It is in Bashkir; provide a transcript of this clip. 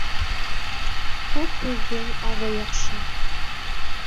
Күп һүҙҙең аҙы яҡшы